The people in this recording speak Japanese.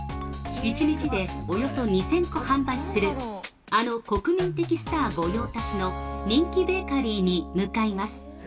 １日でおよそ２０００個販売するあの国民的スター御用達の人気ベーカリーに向かいます。